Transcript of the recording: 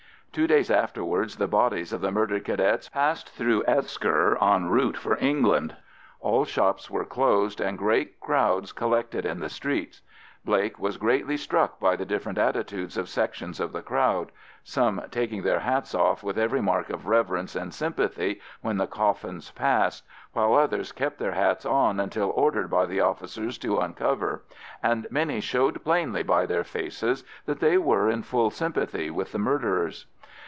Two days afterwards the bodies of the murdered Cadets passed through Esker en route for England. All shops were closed, and great crowds collected in the streets. Blake was greatly struck by the different attitudes of sections of the crowd, some taking their hats off with every mark of reverence and sympathy when the coffins passed, while others kept their hats on until ordered by the officers to uncover, and many showed plainly by their faces that they were in full sympathy with the murderers.